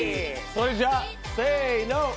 それじゃせの！